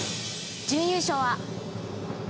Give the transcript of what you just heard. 準優勝は。